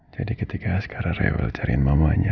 jadi ketika sekarang reuel cariin mamanya